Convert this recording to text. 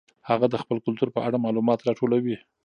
هغه د خپل کلتور په اړه معلومات راټولوي.